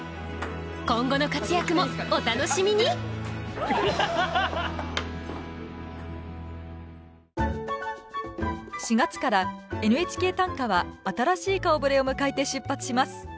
今後の活躍もお楽しみに４月から「ＮＨＫ短歌」は新しい顔ぶれを迎えて出発します。